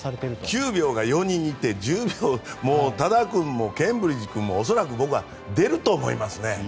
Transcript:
９秒が４人いて１０秒も多田君もケンブリッジ君も恐らく僕は出ると思いますね